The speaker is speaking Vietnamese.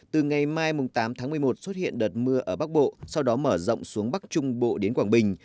từ ngày mai tám tháng một mươi một xuất hiện đợt mưa ở bắc bộ sau đó mở rộng xuống bắc trung bộ đến quảng bình